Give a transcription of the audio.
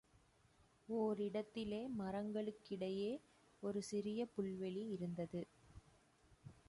ஓரிடத்திலே மரங்களுக்கிடையே ஒரு சிறிய புல்வெளி இருந்தது.